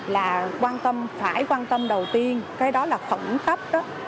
và phải quan tâm đầu tiên cái đó là khẩn cấp đó